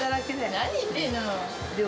何言ってんの。